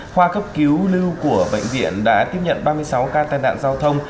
khoa cấp cứu lưu của bệnh viện đã tiếp nhận ba mươi sáu ca tai nạn giao thông